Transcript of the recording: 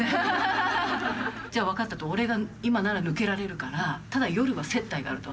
じゃあ分かったと俺が今なら抜けられるからただ夜は接待があると。